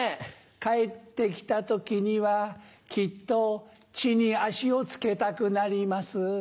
帰って来た時にはきっと地に足をつけたくなります。